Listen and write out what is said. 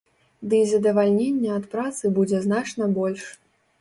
Дый задавальнення ад працы будзе значна больш.